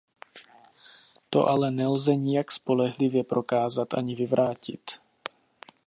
To ale nelze nijak spolehlivě prokázat ani vyvrátit.